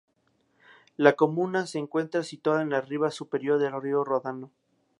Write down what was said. La comuna se encuentra situada en la riva superior del río Ródano.